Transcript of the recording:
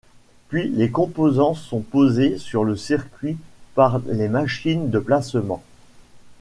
Puis les composants sont posés sur le circuit par les machines de placement.